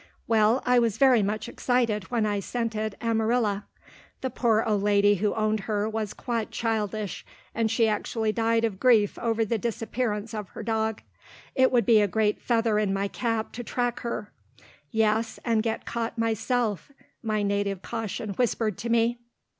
Well, I was very much excited when I scented Amarilla. The poor old lady who owned her was quite childish, and she actually died of grief over the disappearance of her dog. It would be a great feather in my cap to track her. Yes, and get caught myself, my native caution whispered to me.